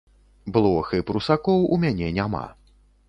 Блох і прусакоў у мяне няма.